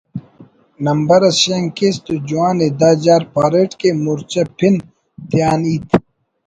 نمبر اس Schank case تو جوان ءِ دا جار پاریٹ کہ ’مورچہ پن‘ تیان ہیت